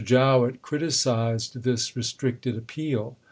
Jowett criticized this restricted appeal.